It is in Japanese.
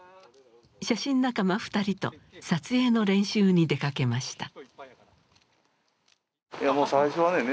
写真仲間２人と撮影の練習に出かけました。